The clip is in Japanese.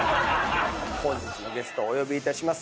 本日のゲストお呼びいたします。